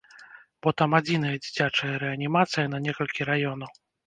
Бо там адзіная дзіцячая рэанімацыя на некалькі раёнаў.